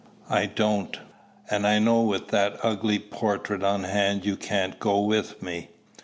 "I don't. And I know with that ugly portrait on hand you can't go with me."